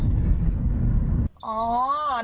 จะชอบมากอย่างนี้